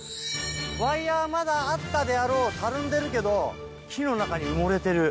ワイヤまだあったであろうたるんでるけど木の中に埋もれてる。